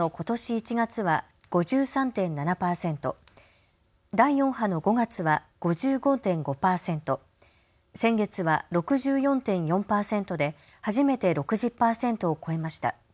１月は５３．７％、第４波の５月は５５．５％、先月は６４．４％で初めて６０％を超えました。